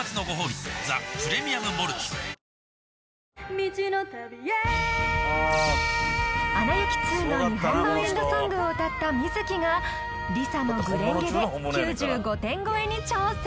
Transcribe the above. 未知の旅へ「アナ雪２」の日本版エンドソングを歌ったＭｉｚｋｉがＬｉＳＡの「紅蓮華」で９５点超えに挑戦